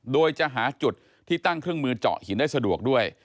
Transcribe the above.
โดยจะหาจุดที่ตั้งเครื่องมือเจาะหินได้สะดวกด้วย